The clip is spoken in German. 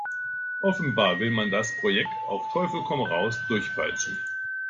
Offenbar will man das Projekt auf Teufel komm raus durchpeitschen.